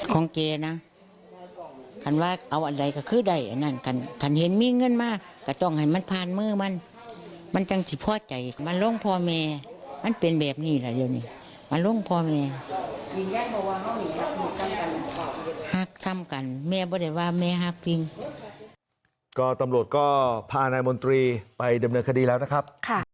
ก็ตำรวจก็พานายมนตรีไปดำเนินคดีแล้วนะครับ